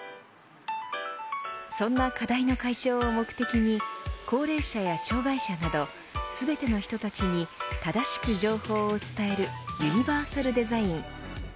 そんな課題の解消を目的に高齢者や障害者など全ての人たちに正しく情報を伝えるユニバーサルデザイン。